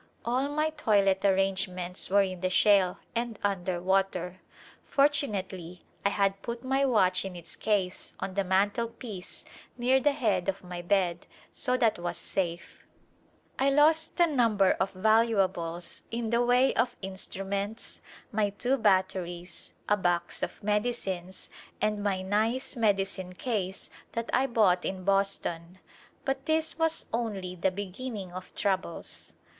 All my toilet arrangements were in the shale and under water. Fortunately I had put my watch in its case on the mantelpiece near the head of my bed so that was safe. Second Journey to India I lost a number of valuables in the way of instru ments, my two batteries, a box of medicines, and my nice medicine case that I bought in Boston, but this was only the beginning of troubles.